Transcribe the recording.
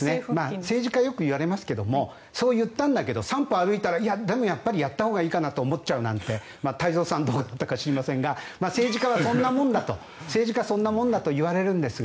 政治家はよく言われますけどそう言ったんだけど３歩歩いたら、やっぱりやったほうがいいかなって太蔵さんどうだったか知りませんが政治家はそんなもんだといわれるんですが